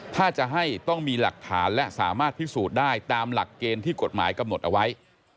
ถ้าจะให้ต้องมีหลักฐานและสามารถพิสูจน์ได้ตามหลักเกณฑ์ที่กฎหมายกำหนดเอาไว้